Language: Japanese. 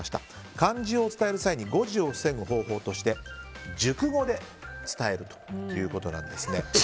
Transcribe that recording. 漢字を伝える際に誤字を防ぐ方法として熟語で伝えるということです。